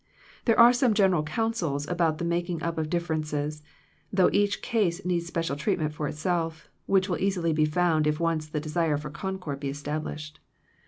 There are some general counsels about the making up of differences, though each case needs special treatment for itself, which will easily be found if once the desire for concord be established.